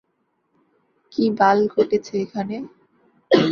কি বাল ঘটেছে এখানে?